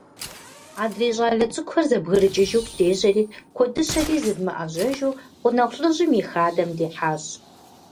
Адрей щӀалэ цӀыкӀухэр зэбгрыкӀыжыху дежьэри, куэдыщэри зыдмыӀэжьэжу, гъунэгъу лӏыжьым и хадэм дихьащ.